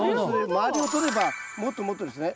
周りをとればもっともっとですね。